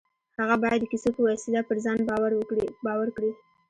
هغه بايد د کيسو په وسيله پر ځان باور کړي.